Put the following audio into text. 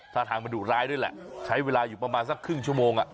ถ้าทางมันดุร้ายด้วยแหละใช้เวลาอยู่ประมาณสักครึ่งชั่วโมง